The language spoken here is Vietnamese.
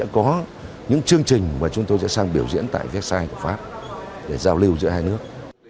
có những chương trình mà chúng tôi sẽ sang biểu diễn tại vecsai của pháp để giao lưu giữa hai nước